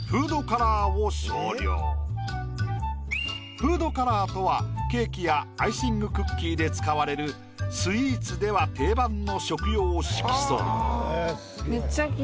フードカラーとはケーキやアイシングクッキーで使われるスイーツでは定番の食用色素。